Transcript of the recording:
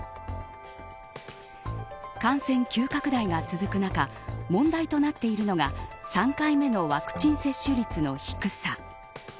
感染急拡大が続く中問題となっているのが３回目のワクチン接種率の低さ。